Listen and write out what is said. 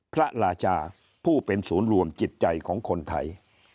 พระราชาผู้เป็นศูนย์รวมจิตใจของคนไทย